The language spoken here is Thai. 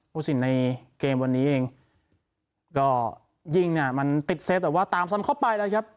ผู้สินในเกมวันนี้เองก็ยิงเนี่ยมันติดเซตแต่ว่าตามซ้ำเข้าไปแล้วครับ